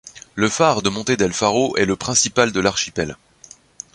Le phare de Monte del Faro est le principal de l'archipel.